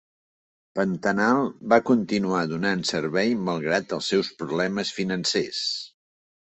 Pantanal va continuar donant servei malgrat els seus problemes financers.